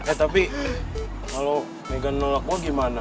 eh tapi kalau megan nolak gue gimana